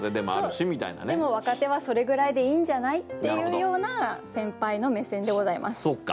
でも若手はそれぐらいでいいんじゃない？」っていうような先輩の目線でございます。